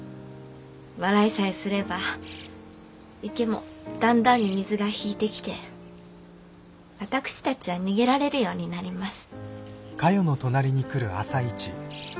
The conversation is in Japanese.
笑いさえすれば池もだんだんに水が引いてきて私たちは逃げられるようになります』」。